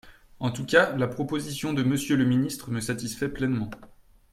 En tout cas, la proposition de Monsieur le ministre me satisfait pleinement.